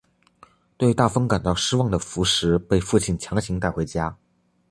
对大风感到失望的福实被父亲强行带回家。